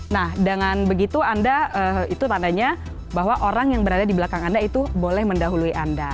nah dengan begitu anda itu tandanya bahwa orang yang berada di belakang anda itu boleh mendahului anda